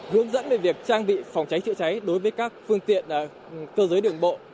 hướng dẫn về việc trang bị phòng cháy chữa cháy đối với các phương tiện cơ giới đường bộ